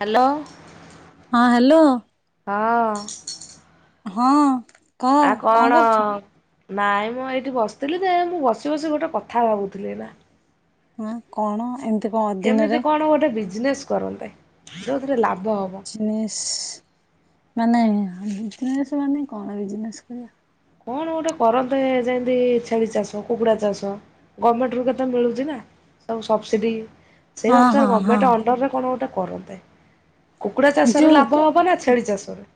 Hello. ହଁ hello. ହଁ। ହଁ। କହ ଆ କଣ କରୁଛୁ? ନାଇଁମ ଏଇଠି ବସିଥିଲି ତ ଏମିତି ବସି ବସି ଗୋଟେ କଥା ଭାବୁଥିଲି ଏଇନା। ଉଁ କଣ ଏମ୍ କେମିତି କଣ ଗୋଟେ ବିଜିନେସ୍ କରନ୍ତେ, ଯୋଉଥେରେ ଲାଭ ହବ। ଇସ୍ ମାନେ ବିଜିନେସ୍ ମାନେ କଁ ବିଜିନେସ୍ କରିବ? କଣ ଗୋଟେ କରନ୍ତେ, ଯେମିତି ଛେଳି ଚାଷ, କୁକୁଡା ଚାଷ ଗମେଣ୍ଟ ରୁ କେତେ ମିଳୁଛି ନା, ସବୁ ସବସିଡି ସେଇ ହଁ ହଁ ଅନୁସାରେ ହଁ ଗମେଣ୍ଟ ଅଣ୍ଡର ରେ କଣ ଗୋଟେ କରନ୍ତେ। କୁକୁଡ଼ା ଚାଷରେ ଲାଭ ଯୋଉ ହବ ନା ଛେଳି ଚାଷରେ?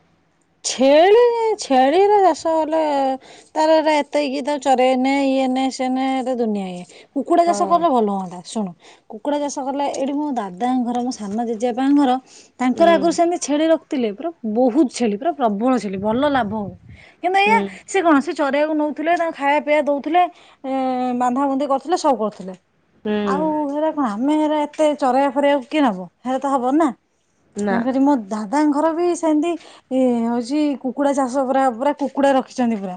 ଛେଳି ଛେଳିରା ଚାଷ କଲେ ତାର ଏରା ଏତେ କିଏ ତାକୁ ଚରେଇ ନେ ଇଏ ନେ ସିଏ ନେ ଦୁନିଆ ଇଏ। କୁକୁଡା ଚାଷ ହଁ କଲେ ଭଲ ହୁଅନ୍ତା ଶୁଣୁ କୁକୁଡ଼ା ଚାଷ କଲେ ଏଇଠି ମୋ ଦାଦାଙ୍କ ଘର ମୋ ସାନ ଜେଜେବାପାଙ୍କ ଘର ତାଙ୍କର ହୁଁ ଆଗରୁ ସେମିତି ଛେଳି ରଖିଥିଲେ ପୁରା ବହୁତ ଛେଲି ପୁରା ପ୍ରବଳ ଛେଲି ଭଲ ଲାଭ ହୁଏ କିନ୍ତୁ ଏଇୟା ହୁଁ। ସେ କଣ ଚରେଇବାକୁ ନୋଉଥିଲେ ତାଙ୍କୁ ଖାଇବା ପିଇବା ଦୋଉଥିଲେ ଏ ବାନ୍ଧାବନ୍ଧି କରୁଥିଲେ ସବୁ କରୁଥିଲେ। ହୁଁ ଆଉ ହେରା କଣ ଆମେ ହେରା ଏତେ ଚରେଇବା ଫରେଇବାକୁ କିଏ ନବ ହେରା ତ ହବନି ନା। ନା ତେଣୁ କରି ମୋ ଦାଦା ଘର ବି ସେମିତି ଏ ହଉଛି କୁକୁଡା ଚାଷ ପୁରା ପୁରା କୁକୁଡା ରଖିଛନ୍ତି ପୁରା।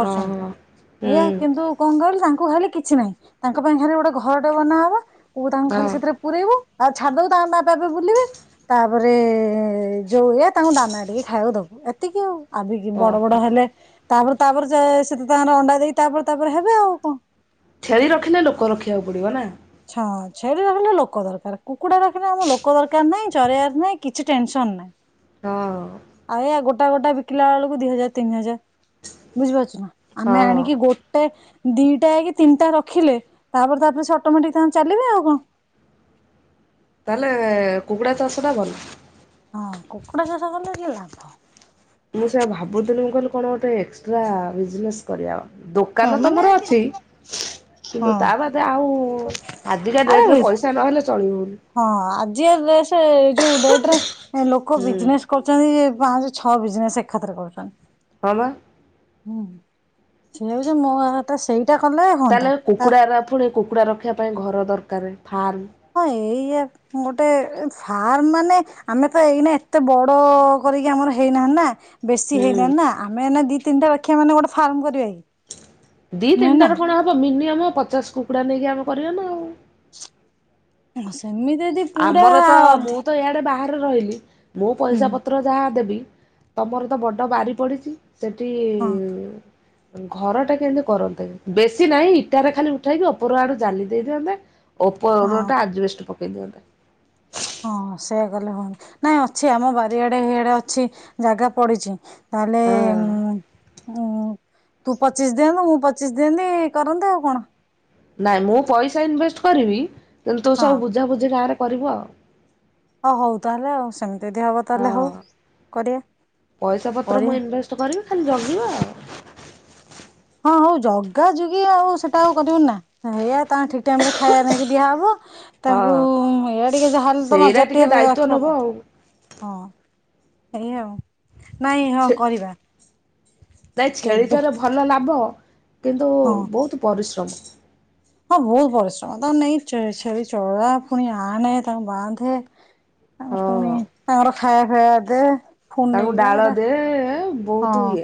ହଁ ହଁ ଏଇଆ ହୁଁ କିନ୍ତୁ କଣ କହିଲି ତାଙ୍କୁ ଖାଲି କିଛି ନାହିଁ ତାଙ୍କ ପାଇଁ ଖାଲି ଗୋଟେ ଘରଟେ ବନାହବା ଓ ତାଙ୍କୁ ଖାଲି ହଁ ସେଥିରେ ପୁରେଇବୁ ଆଉ ଛାଡିଦବୁ ତାଙ୍କର ଆପେ ଆପେ ବୁଲିବେ। ତାପରେ ଯୋଉ ଇଏ ତାଙ୍କୁ ଦାନା ଟିକେ ଖାଇବାକୁ ଦବୁ ଏତିକି ଆଉ ଆ ବିକି ବଡ ଓହୋ। ବଡ ହେଲେ ତାପରେ ତାପରେ ସେ ସେତ ତାଙ୍କର ଅଣ୍ଡା ଦେଇ ତାପରେ ତାପରେ ହେବେ ଆଉ କଁ। ଛେଳି ରଖିଲେ ଲୋକ ରଖିବାକୁ ପଡିବ ନା। ଛଁ ଛେଳି ରଖିଲେ ଲୋକ ଦରକାର କୁକୁଡା ରଖିଲେ ଆମ ଲୋକ ଦରକାର ନାହିଁ। ଚରେଇବାର ନାଇଁ କିଛି ଟେନସନ ନାଇଁ। ହଁ ଆ ଏଇୟା ଗୋଟା ଗୋଟା ବିକିଲା ବେଳକୁ ଦି ହଜାର ତିନି ହଜାର। ବୁଝିପାରୁଛୁ ନା ଆମେ ହଁ ଆଣିକି ଗୋ ଟେ ଦିଟା କି ତିନିଟା ରଖିଲେ ତାପରେ ତାପରେ ସେ ଅଟୋମେଟିକ ତାଙ୍କର ଚାଲିବେ ଆଉ କଣ? ତାହେଲେ କୁକୁଡ଼ା ଚାଷ ଟା ଭଲ। ହଁ କୁକୁଡ଼ା ଚାଷ କଲେ ଟିକେ ଲାଭ। ମୁଁ ସେୟା ଭାବୁଥିଲି ମୁଁ କହିଲି କଣ ଗୋଟେ ଏକ୍ସଟ୍ରା ବିଜନେସ୍ କରିବା ହଁ ଦୋକାନ ତ ମାନେ ମୋର ଆଜ୍ଞା ଅଛି। କିନ୍ତୁ ହଁ। ତା ବାଦେ ଆଉ ଆଜିକା ଆରେ ଡେଟରେ ପଇସା ନହେଲେ ଚଳିହଉନି। ହଁ ଆଜିକା ଡ୍ରେସ ଯୋଉ ଡେଟରେ ଲୋକ ହୁଁ ବିଜନେସ କରୁଛନ୍ତି ପାଞ୍ଚ ଛଅ ବିଜନେସ ଏକାଥରେ କରୁଛନ୍ତି। ହଁ ବା। ହୁଁ ସେଇଆକୁ ଯେ ମୋ ହାତ ସେଇଟା କଲେ ହୁଅନ୍ତା। ତା କୁକୁଡ଼ାରା ଫୁଣି କୁକୁଡ଼ା ରଖିବା ପାଇଁ ଘର ଦରକାର ଫାର୍ମ। ହଁ ଏଇଆ ଗୋଟେ ଫାର୍ମ ମାନେ ଆମେ ତ ଏଇନା ଏତେ ବଡ କରିକି ଆମର ହେଇନାହାନ୍ତି ନା। ବେଶୀ ହୁଁ ହେଇନାହାନ୍ତି ନା ଆମେ ଏଇନା ଦି ତିନିଟା ରଖି ମାନେ ଗୋଟେ ଫାର୍ମ କରିବା କି। ଦି ନୁହେଁ ତିନିଟା ନା ରେ କଣ ହବ ମିନିମମ୍ ପଚାଶ କୁକୁଡା ନେଇକି ଆମେ କରିବା ନା ଆଉ। ହ ସେମିତି ଯଦି ପୁରା ଆମର ତ ମୁଁ ଅଧି ତ ଇଆଡ଼େ ବାହା ବାହାରେ ରହିଲି ମୁଁ ହୁଁ ପଇସା ପତ୍ର ଯାହା ଦେବି ତମର ତ ବଡ ବାଡି ପଡିଚି ସେଠି ହଁ ଘର ଟେ କେମିତି କରନ୍ତେ ବେଶୀ ନାହିଁ ଇଟାରେ ଖାଲି ଉଠାଇକି ଉପର ଆଡୁ ଜାଲି ଦେଇ ଦିଅନ୍ତେ। ହଁ ଓପର ଟା ଆଜବେଷ୍ଟ ପକେଇ ଦିଅନ୍ତେ। ହଁ ସେଇଆ କଲେ ହୁଅନ୍ତା। ନାଇଁ ଅଛି ଆମ ବାରିଆଡେ ହେଇଆଡ଼େ ଅଛି। ଜାଗା ପଡିଛି। ତାହେଲେ ହଁ ମୁଁ। ଉଁ। ତୁ ପଚିଶି ଦିଅନ୍ତୁ ମୁଁ ପଚିଶି ଦିଅନ୍ତି କରନ୍ତୁ ଆଉ କଣ? ନାଇଁ ମୁଁ ପଇସା ଇନଭେଷ୍ଟେ କରିବି। କିନ୍ତୁ ତୁ ହଁ ସବୁ ବୁଝାବୁଝି ଗାଁରେ କରିବୁ ଆଉ। ହଁ ହଉ ତାହେଲେ ଆଉ ସେମିତି ଯଦି ହବ ଯଦି ହଉ। ହଁ କରବା। କରିବା। ତୁ କରିବୁ ଖାଲି ଜଗିବା ଆଉ। ହଁ ହଉ ଜଗା ଯୁଗି ଆଉ ସେଟା ଆଉ କରିବୁନି ନାଁ। ହେଇୟା ତାଙ୍କ ଠିକି ଟାଇମ୍ ରେ ଖାଇବା ନେଇକି ଦିଆହବ। ତାଙ୍କୁ ହଁ ଏଇଆ ଟିକେ ଯାହାଲେ ତ ସେଇରା ନଜର ଟିକେ ଦାୟିତ୍ୱ ରଖିବାକୁ ନବ ଆଉ ପଡିବ। ହଁ। ଏଇ ଆଉ। ନାଇଁ ହଁ କରିବା। ନାଇଁ କେବେ ଛେଳିଟାରେ ଭଲ ଲାଭ। କିନ୍ତୁ ହଁ ବହୁତୁ ପରିଶ୍ରମ। ହଁ ବହୁ ପରିଶ୍ରମ ତାକୁ ନେଇ ଚ ଛେଳି ଚଳେଇବା ଫୁଣି ଆଣେ ତାଙ୍କୁ ବାନ୍ଧେ। ତାଙ୍କୁ ଫୁଣି। ହଁ। ତାଙ୍କର ଖାଇବା ଫାଇବା ଦେ। ପୁଣି ତାଙ୍କୁ ନେଇକି ଯା ଡାଳ ଏରା ଦେ ବହୁତୁ। ହଁ।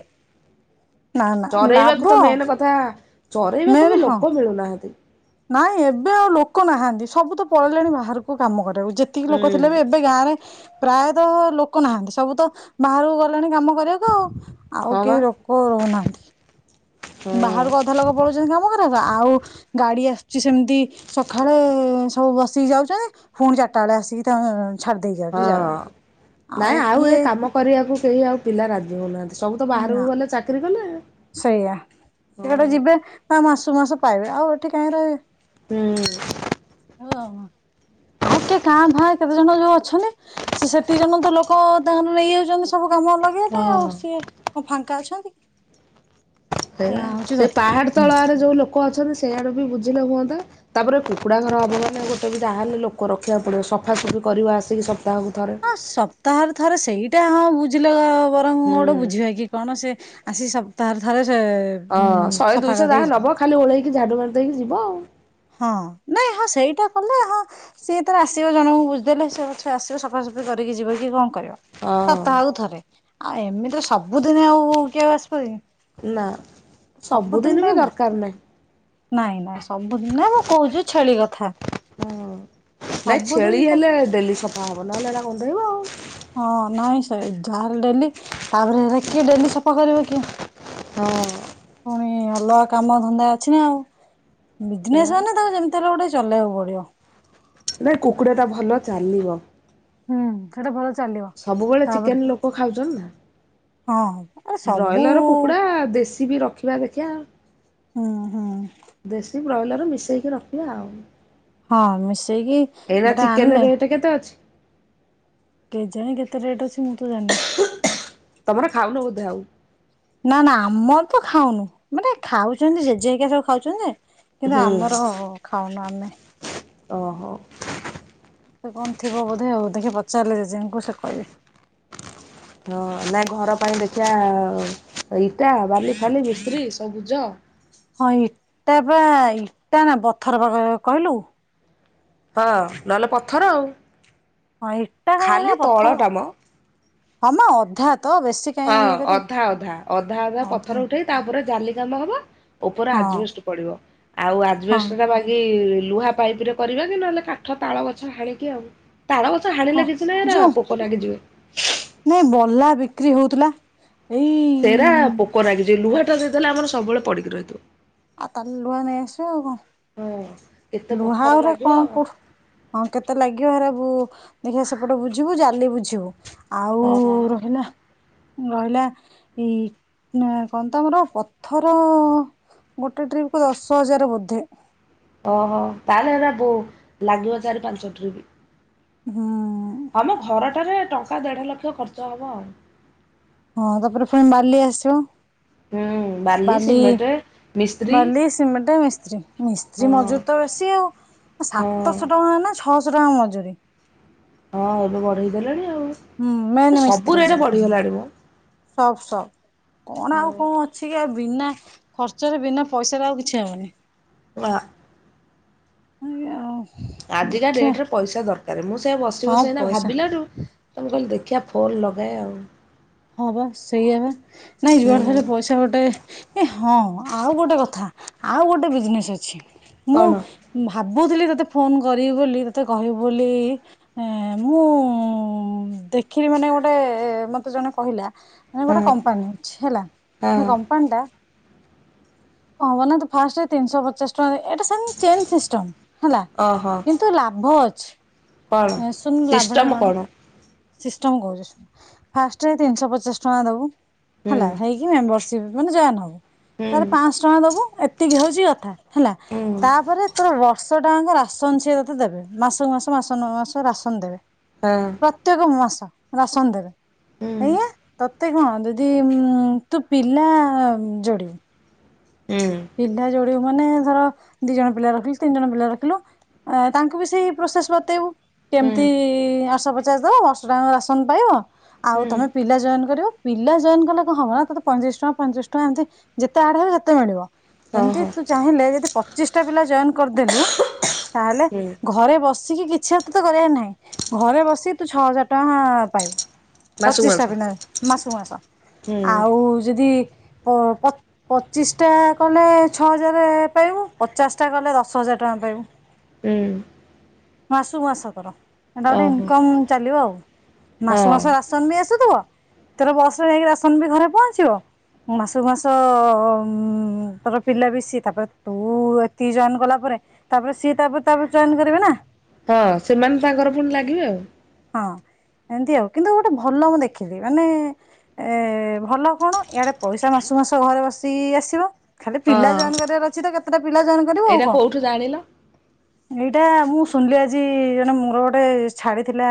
ନା ନା ଲାଭ ଚରେଇବାକୁ ତ ମେନ୍ କଥା। ଚରେଇବାକୁ ମେନ୍ ବି ହଁ ଲୋକ ମିଳୁନାହାନ୍ତି। ନାଇଁ ଏବେ ଆଉ ଲୋକ ନାହାନ୍ତି ସବୁ ତ ପଳେଇଲେଣି ବାହାରକୁ କାମ କରିବାକୁ। ଯେତେ ଏତିକି ଲୋକ ହୁଁ ଥିଲେ ବି ଏବେ ଗାଁ ରେ ପ୍ରାୟତଃ ଲୋକ ନାହାନ୍ତି। ସବୁ ତ ବାହାରକୁ ଗଲେଣି କାମ କରିବାକୁ ଆଉ। ଆଉ ହଁ କେହି ବା ରୋକ ନାହାନ୍ତି। ହଁ ବାହାରକୁ ଅଧା ଲୋକ ପଳଉଛନ୍ତି କାମ କରବା କୁ ଆଉ ଗାଡି ଆସୁଛି ସେମିତି ସକାଳେ ସବୁ ବସିକି ଯାଉଛନ୍ତି। ପୁଣି ଚାଟା ବେଳେ ଆସିକି ତା ଛାଡି ଦେଇ ହଁ। ଯାଉଛି ଯାଉନି। ନାଇଁ ଆଉ ଏ କିଏ କାମ କରିବାକୁ କେହି ଆଉ ପିଲା ରାଜି ହଉନାହାନ୍ତି ସବୁ ତ ନା ବାହାରକୁ ଗଲେ ଚାକିରି କଲେ। ସେଇଆ। ହଁ ସିଆଡେ ଯିବେ ତା ମାସୁକୁ ମାସ ପାଇବେ ଆଉ ଏଠି କାହିଁ ରହିବେ। ହୁଁ। ଓହୋ। ଆଉ କିଏ କାଁ ଭାଁ କେତେ ଜଣ ଯୋଉ ଅଛନ୍ତି ସେ ସେତି ଜଣ ତ ଲୋକ ଧାଆନେ ନେଇଯାଉଛନ୍ତି ସବୁ କାମ ଅଲଗା। ମୁଁ କ ହଁ। ଆସୁଥିବେ। ଫାଙ୍କା ଅଛ କି? ସେଇ ବା ସେ ପାହାଡ ତଳ ଆଡୁ ଯୋଉ ଲୋକ ଅଛନ୍ତି ସେଇଆଡେ ବି ବୁଝିଲେ ହୁଅନ୍ତା। ତାପରେ କୁକୁଡ଼ା ଘର ହବ ମାନେ ଗୋଟେ ବି ଯାହେଲେ ଲୋକ ରଖିବାକୁ ପଡ଼ିବ ସଫାସଫି କରିବ ଆସିକି ସପ୍ତାହକୁ ଥରେ। ହଁ ସପ୍ତାହରେ ଥର ସେଇଟା ହଁ ବୁଝିଲ ବରଂ ମୁଁ ହୁଁ ଗୋଟେ ବୁଝିବା କି କଣ ସେ ଆସି ସପ୍ତାହରେ ଥରେ ସେ ଉଁ ହଁ ଶହେ ସଫା ଦୁଇଶହ କରିଦେଇ ଯାହା ଯିବ ନବ ଖାଲି ଓଳେଇକି ଝାଡୁ ମାରି ଦେଇକି ଯିବ ଆଉ। ହଁ। ନାଇଁ ହଁ ସେଇଟା କଲେ ହଁ। ସିଏତାର ଆସିବ ଜଣଙ୍କୁ ବୁଝିଦେଲେ ସିଏ ପଛେ ଆସିବ ସଫାସଫି କରିକି ଯିବ କି କ କରିବ। ହଁ ସପ୍ତାହକୁ ଥରେ। ଆଉ ଏମିତି ରେ ସବୁଦିନ ଆଉ କିଏ ଆସିପାରିବକି? ନାଁ। ସବୁଦିନି ବି ପାଇଁ ଦକ୍ରାର ନାହିଁ। ନାଇଁ ନାଇଁ ସବୁଦିନି ନା ମୁଁ କହୁଛିୁ ଛେଳି କଥା। ହଁ। ନାଇଁ ଛେଳି ସବୁଦିନ ପାଇଁ ହେଲେ ଡେଲି ସଫା ହବ ନହେଲେ ଏଟା ଗଧେଇ ବ ଆଉ। ହଁ ହଁ ନାଇଁ ସେହି ଯାହା ହେଲେ ଡେଲି। ତାପରେ ଏଗୁରା କିଏ ଡେଲି ସଫା କରିବ କିଏ? ହଁ। ପୁଣି ଅଲଗା କାମ ଧନ୍ଦା ଅଛି ନା ଆଉ। ବିଜନେସ୍ ସେୟା ହେନେ ତାଙ୍କ ଯେମିତି ହେଲେ ଗୋଟେ ଚଲେଇବାକୁ ପଡିବ। ନାଇ କୁକୁଡ଼ା ଟା ଭଲ ଚାଲିବ। ହୁଁ। ସେଇଟା ଭଲ ଚାଲିବ। ସବୁବେଳେ ତାପରେ ଚିକେନ୍ ଲୋକ ଖାଉଛନ୍ତି ନା? ହଁ ଆରେ ସବୁ ବ୍ରଏଲର କୁକୁଡା ଦେଶୀ ବି ରଖ୍ ଖିବା ଦେଖିଆ ହୁଁ ହୁଁ ଦେଶୀ ବ୍ରଏଲର୍ ମିଶେଇକି ରଖିବା ଆଉ। ହଁ ମିଶେଇକି ଏଇନା କେତେଟା ଚିକେନ ଆଣିଲେ ରେଟ କେତେ ଅଛି? କେଜାଣି କେତେ ରେଟ୍ ଅଛି ମୁଁ ତ ଜାଣିନି। ତମର ଖାଉନ ବୋଧେ ଆଉ? ନା ନା ଆମର ତ ଖାଉନୁ ମାନେ ଖାଉଛନ୍ତି ଜେଜେ ହେଇକା ସବୁ ଖାଉଛନ୍ତି ଯେ କିନ୍ତୁ ହୁଁ ଆମର-ଅ-ଅ ଖାଉନୁ ଆମେ। ଓହୋ। ସେ କଣ ଥିବ ବୋଧେ ଆଉ ଦେଖେ ପଚାରିଲେ ଜେଜେ ଙ୍କୁ ସେ କହିବେ। ହଁ ନା ଘର ପାଇଁ ଦେଖିଆ-ଆ-ଆ ଇଟା, ବାଲି ଫାଲି, ମିସ୍ତ୍ରୀ ସବୁଜ ହଁ ଇଟା ବା ଇଟା ନା ବଥର ବ-ଅ-ଅ କହିଲୁ ହଁ ନହେଲେ ପଥର ଆଉ। ହଁ ଏଇଟା କଁଣ ଖାଲି ପଥର ତଳଟା ମ ହଁ ମ ଅଧା ତ ବେଶୀ ହଁ କାଇଁ ଇଏ କରି ଅଧା ଅଧା ଅଧା ଅଧା ପଥର ଉଠେଇ ତା ଉପରେ ଜାଲି କାମ ହବ ଉପରେ ହଁ ଆଜବେଷ୍ଟ ପଡିବ ଆଉ ହଁ ଆଜବେଷ୍ଟଟା ବା ଏ-ଏ-ଏ ଲୁହା ପାଇପ ରେ କରିବା କି ନହେଲେ କାଠ ତାଳ ଗଛ ହାଣିକି ଆଉ ତାଳ ଗଛ ହଁ ହାଣିଲେ କିଛି ନାଇଁ ଏରା ପୋକ ଲାଗିଯିବେ। ମୋ ବଲା ବିକ୍ରି ହଉଥିଲା। ଏଇ ସେରା ପୋକ ଲାଗିଯିବେ ଲୁହାଟା ଯଦି ହେଲା ଆମର ସବୁବେଳେ ପଡିକି ରହିଥିବ। ଆ ତନ୍ ଲୁହା ନେଇ ଆସିବ ଆଉ କଣ। ହଁ। କେତେ ପଥର ଲୁହାଗୁରା ଲାଗିବ କଣ କୁ ହଁ କେତେ ଲାଗିବ ହେରା ବୁ-ଉ-ଉ ଦେଖିବା ସେପଟ ବୁଝିବୁ ଜାଲି ବୁଝିବୁ। ଓହୋ ଆଉ-ଉ-ଉ-ଉ ରହିଲା ରହିଲା ଇ-ଇ ନୁହର କଣ ତମର ପଥର-ଅ-ଅ-ଅ ଗୋଟେ ଟ୍ରିପ୍ କୁ ଦଶ ହଜାର ବୋଧେ। ଓହ ତାହେଲେ ହେରା ବୋ ଲାଗିବ ଚାରି ପାଞ୍ଚ ଟ୍ରିପ। ହୁଁ। ହଁମ ଘରଟାରେ ଟଙ୍କା ଦେଢ ଲକ୍ଷ ଖର୍ଚ୍ଚ ହବ ଆଉ। ହଁ ତାପରେ ଫୁଣି ବାଲି ଆସିବ। ହୁଁ ବାଲି, ସିମେଣ୍ଟ ମିସ୍ତ୍ରୀ ବାଲି, ସିମେଣ୍ଟ, ମିସ୍ତ୍ରୀ, ମିସ୍ତ୍ରୀ ହଁ ମଜୁରୀ ତ ବେସି ଆଉ। ହଁ। ସାତଶହ ଟଙ୍କା ନା ଛଅଶ ଟଙ୍କା ମଜୁରୀ। ହଁ ଏବେ ବଢେଇ ଦେଲେଣି ଆଉ। ହୁଁ ମେନ୍ ଏ ସବୁ ମିସ୍ତ୍ରୀ ରେଟ୍ ଯିଏ ବଢିଗଲାଣି ମ। ସବ୍ ସବ୍ କଣ ଆଉ କଣ ଅଛି କି ଆଉ ବିନା ଖର୍ଚ୍ଚରେ ବିନା ପଇସାରେ ଆଉ କିଛି ହବନି। ନାଁ। ଆଜ୍ଞା ଆଉ ଆଜିକା ଦେଖିବା ଡେଟରେ ପଇସା ଦରକାର ମୁଁ ସେଆ ହଁ ବସିବସି ଏଇନା ପଇସା ଭାବିଲାଠୁ ତ ମୁଁ କହିଲି ଦେଖିଆ ଫୋନ ଲଗାଏ ଆଉ। ହଁ ବା ସେଇଆ ବା ନାଇଁ ଯୁଆଡେ ହେଲେ ହୁଁ ପଇସା ଏଇଟା ଗୋଟେ ଏ ହଁ ଆଉ ଗୋଟେ କଥା ଆଉ ଗୋଟେ ବିଜନେସ୍ ଅଛି ମୁଁ କଣ ଭାବୁଥିଲି ତୋତେ ଫୋନ କରିବି ବୋଲି ତୋତେ କହିବି ବୋଲି-ଇ-ଇ ଏଁ-ଏ-ଏ ମୁଁ-ଉ-ଉ-ଉ ଦେଖିଲି ମାନେ ଗୋଟେ-ଏ-ଏ-ଏ ମତେ ଜଣେ କହିଲା ନାଇଁ ହଁ ଗୋଟେ କମ୍ପାନୀ ଅଛି ହେଲା ସେ ହଁ କମ୍ପାନୀଟା କଣ ହବନା ନା ଫାଷ୍ଟ ତିନିଶହ ପଚାଶ ଏଇଟା ସେମିତି ଚେନ୍ ସିଷ୍ଟମ ହେଲା ଓହୋ କିନ୍ତୁ ଲାଭ ଅଛି। କଣ? ଶୁନ ଲାଭଟା କଣ? ସିଷ୍ଟମ କହୁଚି ଫାଷ୍ଟ ତିନିଶ ପଚାଶ ଟଙ୍କା ଦବୁ ହୁଁ ହେଲା ହେଇକି ମେମ୍ବର ମାନେ ଜଏନ ହବୁ ହୁଁ ତାହଲେ ପାଞ୍ଚଶହ ଟଙ୍କା ଦବୁ ଏତିକି ହଉଛି କଥା ହେଲା ହୁଁ ତାପରେ ତ ବର୍ଷ ଟାଆଙ୍କ ରାସନ ସିଏ ତତେ ଦେବେ ମାସକୁ ମାସ ମାସକୁ ମାସ ରାସନ ଦେବେ। ହଁ। ପ୍ରତ୍ୟେକ ମାସ ରାସନ ହୁଁ ଦେବେ। ଏଇଆ ତତେ କଣ ଜଦି ଉ ତୁ ପିଲା ଯୋଡ଼ିବୁ। ଉଁ ପିଲା ଯୋଡିବୁ ମାନେ ଧର ଦି ଜଣ ପିଲା ରଖିଲୁ ତିନି ଜଣ ପିଲା ରଖିଲୁ ଅ ତାଙ୍କୁ ବି ସେଇ ପ୍ରୋସେସ ବତେଇବୁ। ହୁଁ କେମିତି ଆଠଶହ ପଚାଶ ଦବ ବର୍ଷ ଟା ଙ୍କ ରାସନ ପାଇବ ଆଉ ହୁଁ ତମେ ପିଲା ଜଏନ କରିବ। ପିଲା ଜଏନ୍ କଲେ କଣ ହବ ନା ତୋତେ ପଇତିରିଚଶ ଟଙ୍କା ଫଇ ତିରିଶି ଟଙ୍କା ଏମିତି ଯେତେ ଆଡେ ହେବେ ହେତେ ମିଳିବ। ଏମିତି ଓହୋ ତୁ ଚାହିଁଲେ ଯଦି ପଚିଶ ଟା ପିଲା ଜଏନ କରିଦେଲୁ ତାହେଲେ ହୁଁ ଘରେ ବସିକି କିଛି ଆଉ ତତେ କରିବାର ନାହିଁ। ଘରେ ବସିକି ତୁ ଛଅ ହଜାର ଟଙ୍କା ପାଇବୁ। ମାସକୁ ପଚିଶି ଟା ମାସ ପିଲା ମାସକୁ ମାସ ହୁଁ ଆଉ ଯଦି କ ପ ପଚିଶି ଟା କଲେ ଛଅ ହଜାର ପାଇବୁ ପଚାଶଟା କଲେ ଦଶ ହଜାର ଟଙ୍କା ପାଇବୁ। ହୁଁ। ମାସୁ ମାସକୁ କର ଏଟା ଗୋଟେ ଓହୋ ଇନକମ ଚାଲିବ ଆଉ ମାସୁ କୁ ହଁ ମାସ ରା ସମି ଆସୁଥବ ତର ବସ ନେଇାଇକି ରାସନ ବି ଘରେ ପହଞ୍ଚିବ ମାସକୁ ମାସ ଅ ତୋର ପିଲା ବି ସିଏ ତାପରେ ତୁ ଏତି ଜଏନ କଲା ପରେ ତାପରେ ସିଏ ତାପରେ ତାପରେ ଜଏନ୍ କରିବେ ନା। ହଁ ସେମାନେ ତାଙ୍କର ପୁଣି ଲାଗିବେ ଆଉ। ହଁ ଏମିତି ଆଉ କିନ୍ତୁ ଗୋଟେ ଭଲ ମୁଁ ଦେଖିଲି ମାନେ ଏ ଭଲ କଣ ଇଆଡେ ପଇସା ମାସ ମାସ ଘରେ ବସିିକି ଆସିବ। ଖାଲି ଆଉ ପିଲା ହଁ। ଜଏନ୍ କରିବାର ଅଛି ତ କେତେଟା ପିଲା ଜଏନ କରିବୁ ଆଉ ଏଇଟା କଣ। କୋଉଠୁ ଜାଣିଲ? ଏଇଟା ମୁଁ ଶୁଣିଲି ଆଜି ଜଣେ ମୋର ଗୋଟେ ଛାଡି ଥିଲା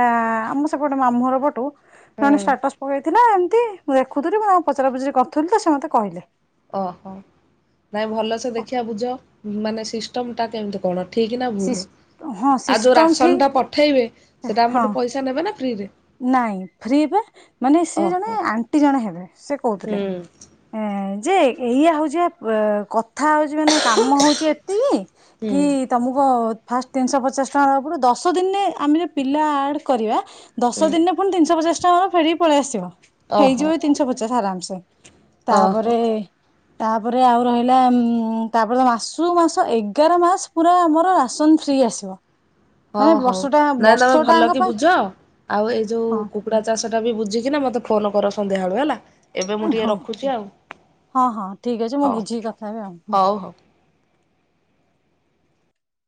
ଆମ ସେପଟୁ ମାମୁଁ ଘରୁ ପଟୁ ସେମାନେ ହଁ ସ୍ଟାଟସ ପକେଇଥିଲା ଏମିତି ମୁଁ ଦେଖୁଥିଲି ମୁଁ ତା ପଚରା ପଚୁରି କରୁଥିଲି ତ ସେ ମୋତେ କହିଲେ। ଓହୋ ନାଇଁ ଭଲସେ ଦେଖିବା ବୁଝ ମାନେ ସିଷ୍ଟମ୍ ଟା କେମିତି କଣ? ଠିକ ନା ସିସ୍ ଭୁଲ ହଁ ଆଉ ଯଉ ସିଷ୍ଟମ୍ ଠିକ୍ ରାସନଟା ପଠେଇବେ ସେଟା ହଁ ଆମଠୁ ପଇସା ନେବେ ନା ଫ୍ରିରେ? ନାଇଁ ଫ୍ରିବା ମାନେ ସେ ଜଣେ ଓହୋ ଆଣ୍ଟି ଜଣେ ହେବେ ସେ ହୁଁ କହୁଥିଲେ। ଏ ଯେ ଏଇଆ ହଉଛି ବା କଥା ହଉଛି ମାନେ କାମ ହଉଛି। ଉଁ ହୁଁ। ତମକୁ ଫାଷ୍ଟ ତିନିଶହ ପଚାଶ ଟଙ୍କା ହେବାକୁ ପଡ଼ିବ ଦଶ ଦିନରେ ଆମେ ପିଲା ଆଡ଼ କରିବା। ଦଶ ହୁଁ ଦିନରେ ପୁଣି ତିନିଶହ ପଚାଶ ଟଙ୍କାବ ଫେରିକି ପଳେଇ ଆସିବ ଓହୋ ହେଇଯିବ ତିନିଶହ ପଚାଶ ଆରାମସେ। ଓହୋ ତାପରେ ତାପରେ ଆଉ ରହିଲା ଉ ତାପରେ ମାସ ମାସକୁ ଏଗାର ମାସ ପୁରା ଆମର ରାସନ ଫ୍ରୀ ଆସିବ। ହଁ ମାନେ ହଉ ବର୍ଷଟା ନାଇଁ ତମେ ଭଲ ବର୍ଷଟାଙ୍କ କି ପାଇଁ ବୁଝ ଆଉ ଏଇ ଯୋଉ ହଁ କୁକୁଡ଼ା ଚାଷଟା ବି ବୁଝିକିନା ମତେ ଫୋନ୍ କର ସନ୍ଧ୍ୟା ବଳୁ ହେଲା? ଏବେ ମୁଁ ଟିକେ ହଉ ରଖୁଛି ଆଉ ହଁ ହଁ ଠିକ୍ ଅଛି ମୁଁ ହଉ ବୁଝିକି କଥା ହେବି ଆଉ। ହଉ ହଉ।